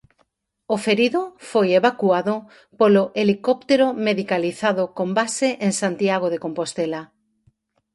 O ferido foi evacuado polo helicóptero medicalizado con base en Santiago de Compostela.